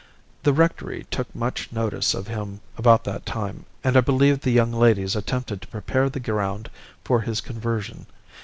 The rectory took much notice of him about that time, and I believe the young ladies attempted to prepare the ground for his conversion.